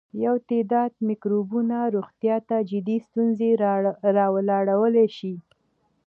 یو تعداد مکروبونه روغتیا ته جدي ستونزې راولاړولای شي.